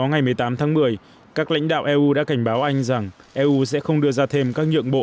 ngày một mươi tám tháng một mươi các lãnh đạo eu đã cảnh báo anh rằng eu sẽ không đưa ra thêm các nhượng bộ